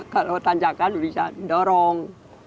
kalau tanjakan bisa didorong